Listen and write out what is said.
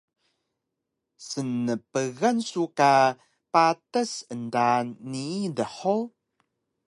Snpgan su ka patas endaan nii dhug?